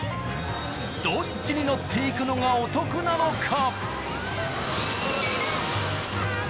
どっちに乗って行くのがお得なのか？